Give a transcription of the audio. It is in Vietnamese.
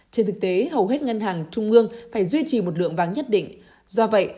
trên thực tế hầu hết ngân hàng trung ương phải duy trì một lượng vàng nhất định do vậy